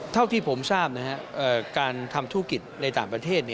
เท่าที่ผมทราบนะครับการทำธุรกิจในต่างประเทศ